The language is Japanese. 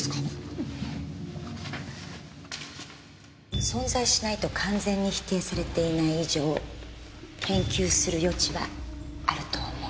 うん。存在しないと完全に否定されていない以上研究する余地はあると思う。